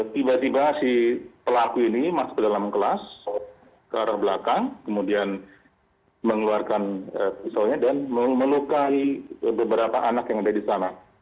tiba tiba si pelaku ini masuk ke dalam kelas ke arah belakang kemudian mengeluarkan pisaunya dan melukai beberapa anak yang ada di sana